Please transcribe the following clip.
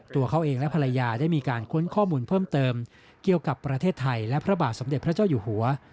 ตัวเขาเองและภรรยาได้มีการค้นข้อมูลเพิ่มเติมเกี่ยวกับประเทศไทยและพระบาทสมเด็จพระเจ้าอยู่หัว